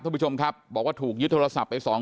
ทุกผู้ชมครับบอกว่าถูกยึดโทรศัพท์ไป๒เครื่อง